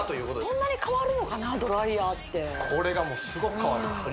そんなに変わるのかなドライヤーってこれがもうすごく変わります